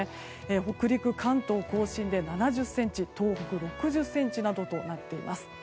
北陸、関東・甲信で７０ｃｍ東北、６０ｃｍなどとなっています。